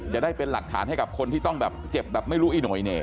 จะได้เป็นหลักฐานให้กับคนที่ต้องแบบเจ็บแบบไม่รู้อีโหยเน่